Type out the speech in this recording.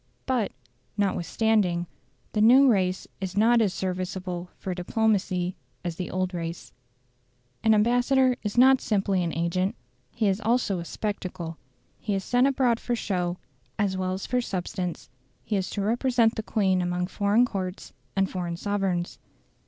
But, notwithstanding, the new race is not as serviceable for diplomacy as the old race. An ambassador is not simply an agent; he is also a spectacle. He is sent abroad for show as well as for substance; he is to represent the Queen among foreign courts and foreign sovereigns.